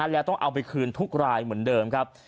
แล้วต้องเอาไปคืนทุกรายเหมือนเดิมครับ